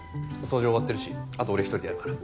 掃除終わってるしあと俺一人でやるから。